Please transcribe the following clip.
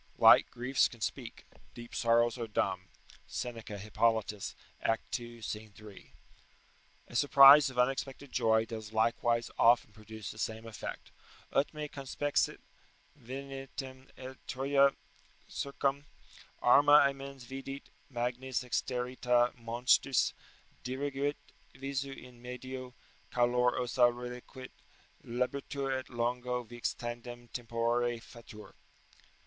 ["Light griefs can speak: deep sorrows are dumb." Seneca, Hippolytus, act ii. scene 3.] A surprise of unexpected joy does likewise often produce the same effect: "Ut me conspexit venientem, et Troja circum Arma amens vidit, magnis exterrita monstris, Diriguit visu in medio, calor ossa reliquit, Labitur, et longo vix tandem tempore fatur."